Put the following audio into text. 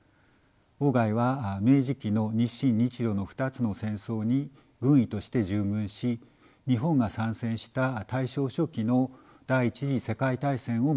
外は明治期の日清日露の２つの戦争に軍医として従軍し日本が参戦した大正初期の第１次世界大戦をも体験しています。